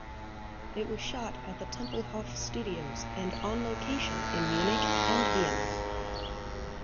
It was shot at the Tempelhof Studios and on location in Munich and Vienna.